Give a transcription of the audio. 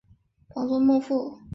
榜作孟富。